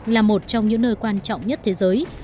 là một trong những nơi quan trọng nhất thế giới